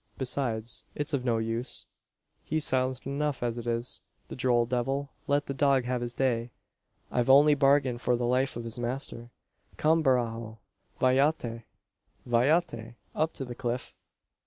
"Besides, it's of no use. He's silent enough as it is, the droll devil. Let the dog have his day. I've only bargained for the life of his master. Come, Barajo! Vayate! vayate! Up to the cliff.